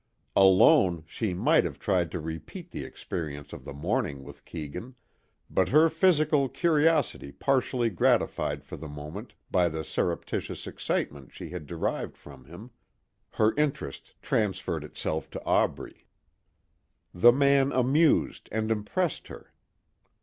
Alone, she might have tried to repeat the experience of the morning with Keegan. But her physical curiosity partially gratified for the moment by the surreptitious excitement she had derived from him, her interest transferred itself to Aubrey. The man amused and impressed her.